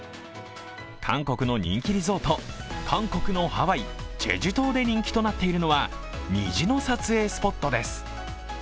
韓国の人気リゾート、韓国のハワイ・チェジュ島で人気となっているのは虹の撮影スポットです。